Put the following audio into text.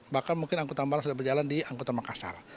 bahkan mungkin angkutan barang sudah berjalan di angkutan makassar